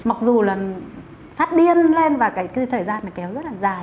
mặc dù là phát điên lên và cái thời gian nó kéo rất là dài